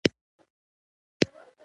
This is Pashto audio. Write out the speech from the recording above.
پړسیدلې پوکڼۍ په وریښمینه ټوټه وسولوئ.